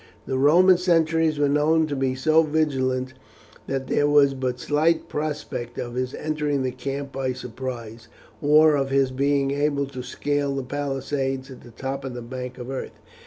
The Roman sentries were known to be so vigilant that there was but slight prospect of his entering the camp by surprise, or of his being able to scale the palisades at the top of the bank of earth.